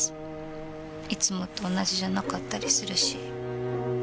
いつもと同じじゃなかったりするし。